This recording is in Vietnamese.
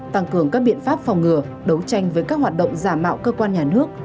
tăng cường các biện pháp phòng ngừa đấu tranh với các hoạt động giả mạo cơ quan nhà nước